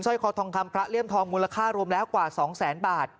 คอทองคำพระเลี่ยมทองมูลค่ารวมแล้วกว่า๒แสนบาท